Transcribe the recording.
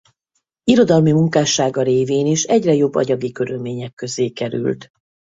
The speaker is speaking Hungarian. Irodalmi munkássága révén is egyre jobb anyagi körülmények közé került.